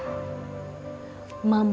mampu menjaga dirinya